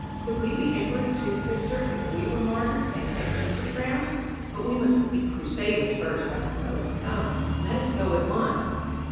Could we be emperors, too, sister, if we were martyrs, and had each a crown? But we must be crusaders first, I suppose. Come, let us go at once."